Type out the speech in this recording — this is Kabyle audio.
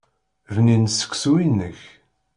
Bnin seksu-inek.